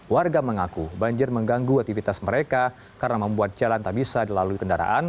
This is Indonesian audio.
warga mengaku banjir mengganggu aktivitas mereka karena membuat jalan tak bisa dilalui kendaraan